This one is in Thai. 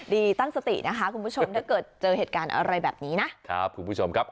ตั้งสตินะคะคุณผู้ชมถ้าเกิดเจอเหตุการณ์อะไรแบบนี้นะครับคุณผู้ชมครับ